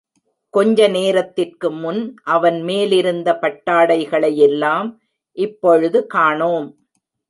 கொஞ்ச நேரத்திற்கு முன் அவன் மேலிருந்த பட்டாடைகளையெல்லாம் இப்பொழுது காணோம்.